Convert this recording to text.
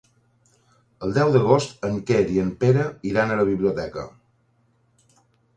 El deu d'agost en Quer i en Pere iran a la biblioteca.